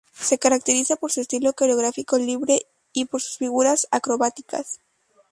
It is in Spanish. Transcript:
Se caracteriza por su estilo coreográfico libre y por sus figuras acrobáticas.